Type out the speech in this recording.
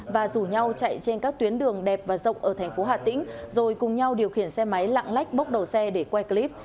và rủ nhau chạy trên các tuyến đường đẹp và rộng ở tp htn rồi cùng nhau điều khiển xe máy lạng lách bốc đầu xe để quay clip